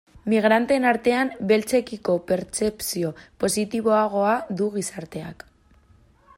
Migranteen artean, beltzekiko pertzepzio positiboagoa du gizarteak.